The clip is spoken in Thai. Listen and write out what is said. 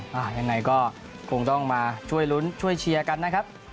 ยังไงก็คงต้องมาช่วยลุ้นช่วยเชียร์กันนะครับ